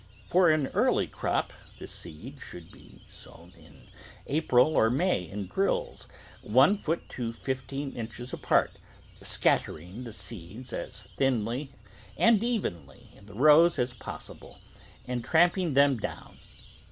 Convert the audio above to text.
For an early crop, the seed should be sown in April or May in drills, one foot to fifteen inches apart, scattering the seeds as thinly and evenly in the rows as possible and tramping them down.